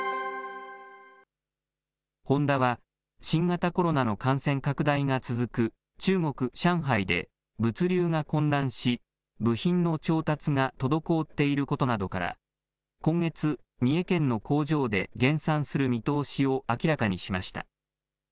ホンダは、新型コロナの感染拡大が続く中国・上海で物流が混乱し、部品の調達が滞っていることなどから、今月、三重県の工場で減産する見通しを明らかにしました。